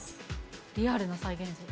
リアルな再現。